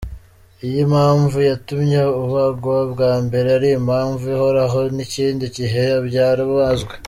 Iyo impamvu yatumye ubagwa bwa mbere ari impamvu ihoraho n’ikindi gihe ubyara ubanzwe.